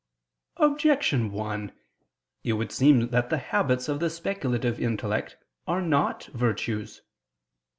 Objection 1: It would seem that the habits of the speculative intellect are not virtues.